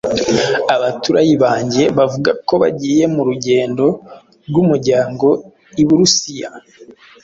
Abaturai banjye bavuga ko bagiye mu rugendo rwumuryango i burusiya.